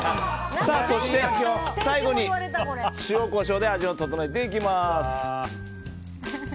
そして最後に塩、コショウで味を調えていきます。